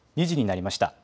２時になりました。